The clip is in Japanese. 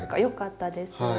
よかったです。